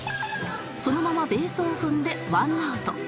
そのままベースを踏んで１アウト